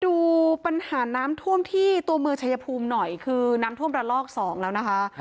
ดูปัญหาน้ำท่วมที่ตัวเมืองชายภูมิหน่อยคือน้ำท่วมระลอกสองแล้วนะคะ